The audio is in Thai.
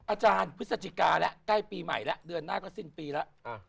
อาจารย์พฤศจิกาแล้วใกล้ปีใหม่แล้วเดือนหน้าก็สิ้นปีแล้ว